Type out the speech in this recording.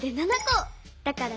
だから７。